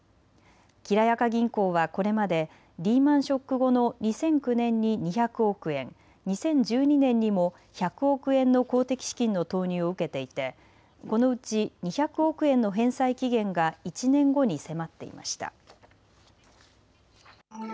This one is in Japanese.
きらやか銀行はこれまでリーマンショック後の２００９年に２００億円、２０１２年にも１００億円の公的資金の投入を受けていてこのうち２００億円の返済期限が１年後に迫っていました。